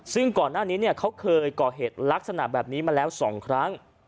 ซึ่งก่อนหน้านี้เขาเคยก่อเหตุลักษณะแบบนี้มาแล้ว๒ครั้ง